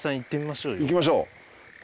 行きましょう。